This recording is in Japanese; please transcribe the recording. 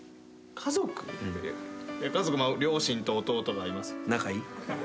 家族両親と弟がいます。